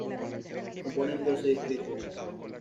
La componen doce distritos.